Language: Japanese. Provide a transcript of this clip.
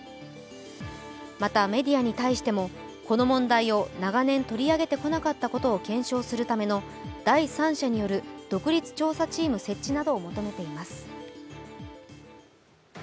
また、メディアに対してもこの問題を長年、取り上げてこなかったことを検証するための第三者による独立調査チーム設置などを求めています。